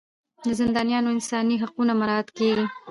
د زندانیانو انساني حقونه مراعات کیږي.